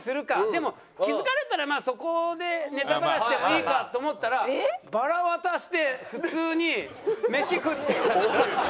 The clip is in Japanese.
でも気付かれたらまあそこでネタバラシでもいいかと思ったらバラ渡して普通に飯食って。